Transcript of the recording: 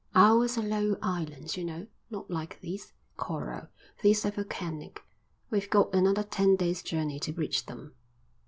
"Ours are low islands, you know, not like these. Coral. These are volcanic. We've got another ten days' journey to reach them."